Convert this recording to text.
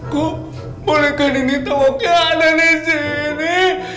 kok bolehkan ini tau wakil ada di sini